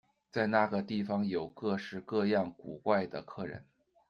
在那个地方有各式各样古怪的客人。